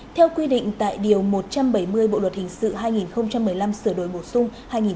theo quy định tại điều một trăm bảy mươi bộ luật hình sự hai nghìn một mươi năm sửa đổi bổ sung hai nghìn một mươi bảy